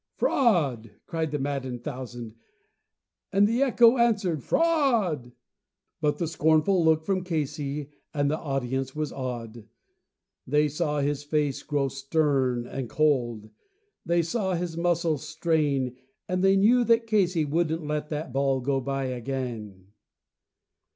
"Fraud," cried the maddened thousands, and echo answered "Fraud!" But one scornful look from Casey and the audience was awed. They saw his face grow stern and cold, they saw his muscles strain, And they knew that Casey wouldn't let that ball go by again.